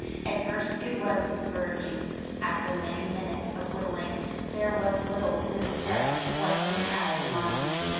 At first it was discouraging. After many minutes of whittling there was little to suggest what he had in mind.